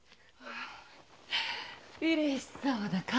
うれしそうな顔して。